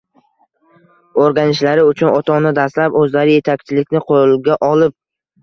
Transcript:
o‘rganishlari uchun ota-ona dastlab o‘zlari yetakchilikni qo‘lga olib